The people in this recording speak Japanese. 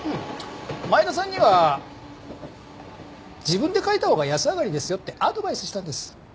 前田さんには自分で書いたほうが安上がりですよってアドバイスしたんです。